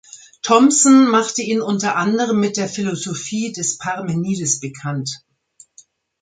Thomson machte ihn unter anderem mit der Philosophie des Parmenides bekannt.